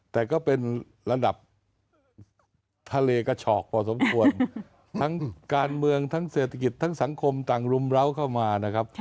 แต่ก็เป็นระดับทะเลกระฉอกพอสมควรทั้งการเมืองทั้งเศรษฐกิจทั้งสังคมต่างรุมร้าวเข้ามานะครับ